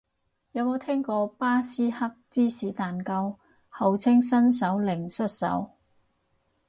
有冇聽過巴斯克芝士蛋糕，號稱新手零失手